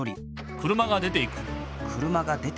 車が出ていく。